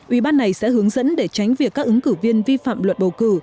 ủy ban này sẽ hướng dẫn để tránh việc các ứng cử viên vi phạm luật bầu cử